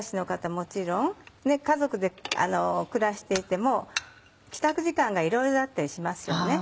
もちろん家族で暮らしていても帰宅時間がいろいろだったりしますよね。